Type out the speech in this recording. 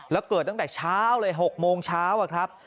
แล้วเกิดตั้งแต่เช้าเลย๖โมงเช้าอะครับ